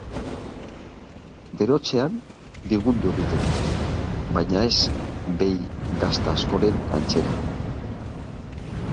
Berotzean bigundu egiten da, baina ez behi gazta askoren antzera.